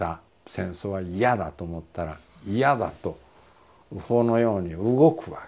戦争は嫌だと思ったら嫌だとそのように動くわけですね。